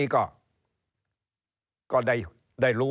เริ่มตั้งแต่หาเสียงสมัครลง